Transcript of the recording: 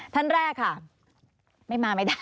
ท่านแรกค่ะ